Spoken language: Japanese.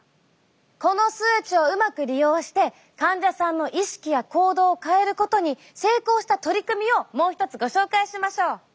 この数値をうまく利用して患者さんの意識や行動を変えることに成功した取り組みをもう一つご紹介しましょう。